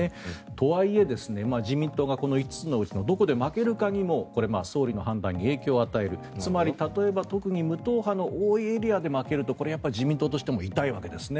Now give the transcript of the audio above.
とはいえ自民党がこの５つのうちのどこで負けるかにも総理の判断に影響を与えるつまり例えば特に無党派の多いエリアで負けるとこれは自民党としても痛いわけですね。